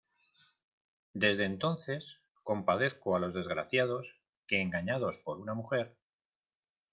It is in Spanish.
desde entonces compadezco a los desgraciados que engañados por una mujer